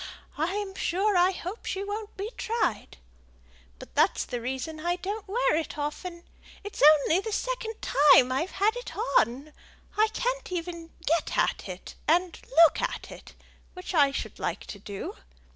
(I'm sure I hope she won't be tried.) But that's the reason I don't wear it often; it's only the second time I've had it on; and I can't even get at it, and look at it, which I should like to do.